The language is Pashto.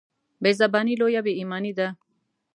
بېزباني لویه بېايماني ده.